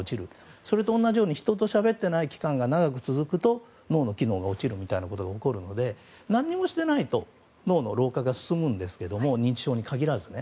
それと同じように人としゃべっていない期間が長く続くと脳の機能が落ちるみたいなことが起きるので何もしていないと脳の老化が進むんですが認知症に限らずね。